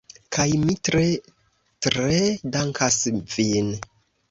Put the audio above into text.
Kaj mi tre, tre dankas vin.